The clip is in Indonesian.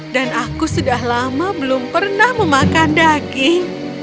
dan aku sudah lama belum pernah memakan daging